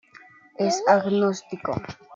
Es agnóstico.